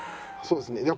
そうですね。